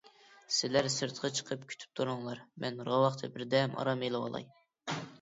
سىلەر سىرتقا چىقىپ كۈتۈپ تۇرۇڭلار، مەن راۋاقتا بىردەم ئارام ئېلىۋالاي.